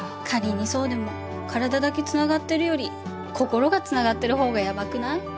仮にそうでも体だけつながってるより心がつながってる方がヤバくない？